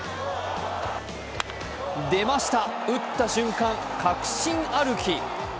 出ました、打った瞬間、確信歩き。